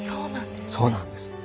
そうなんですね。